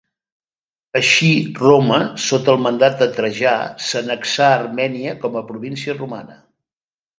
Així Roma, sota el mandat de Trajà, s'annexà Armènia com a província romana.